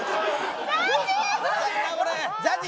ＺＡＺＹ！